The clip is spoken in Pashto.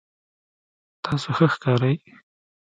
تاسو ښه ښکارئ